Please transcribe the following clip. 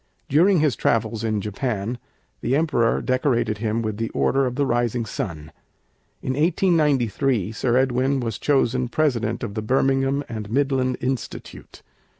During his travels in Japan the Emperor decorated him with the Order of the Rising Sun. In 1893 Sir Edwin was chosen President of the Birmingham and Midland Institute.